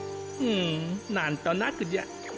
うんなんとなくじゃ。